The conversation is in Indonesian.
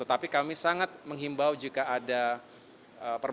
tetapi kami sangat menghimbau jika ada perbaikan